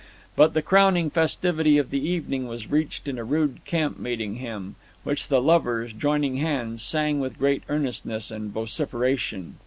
But the crowning festivity of the evening was reached in a rude camp meeting hymn, which the lovers, joining hands, sang with great earnestness and vociferation.